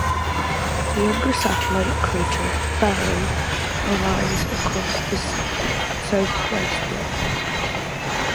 The younger satellite crater Barrow A lies across the southwest rim.